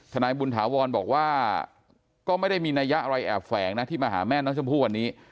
นายบุญถาวรบอกว่าก็ไม่ได้มีนัยยะอะไรแอบแฝงนะที่มาหาแม่น้องชมพู่วันนี้